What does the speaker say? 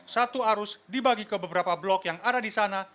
satu arus dibagi ke beberapa blok yang ada di sana